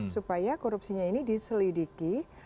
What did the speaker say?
supaya korupsinya ini diselidiki